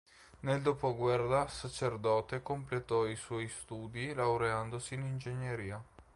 Nel dopoguerra Sacerdote completò i suoi studi laureandosi in ingegneria.